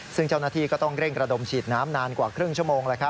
ซึ่งเจ้าหน้าที่ก็ต้องเร่งระดมฉีดน้ำนานกว่าครึ่งชั่วโมง